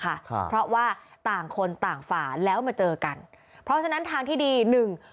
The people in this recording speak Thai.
ครับเพราะว่าต่างคนต่างฝ่าแล้วมาเจอกันเพราะฉะนั้นทางที่ดีหนึ่ง